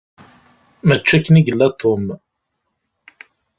Mačči akken i yella Tom.